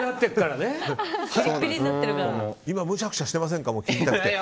今むしゃくしゃしてませんか？